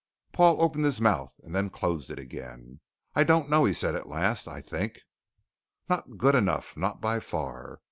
Paul opened his mouth and then closed it again. "I don't know," he said at last. "I think " "Not good enough. Not by far."